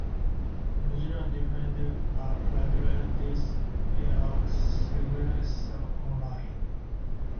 Mozilla defende a liberdade e a segurança online.